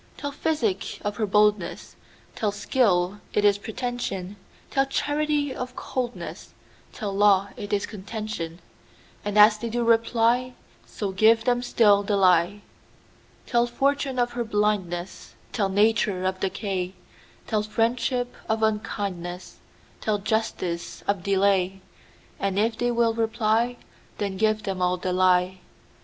Tell physic of her boldness; Tell skill it is pretension; Tell charity of coldness; Tell law it is contention:And as they do reply, So give them still the lie. Tell fortune of her blindness; Tell nature of decay; Tell friendship of unkindness; Tell justice of delay; And if they will reply, Then give them all the lie.